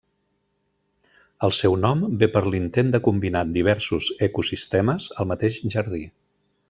El seu nom ve per l'intent de combinar diversos ecosistemes al mateix jardí.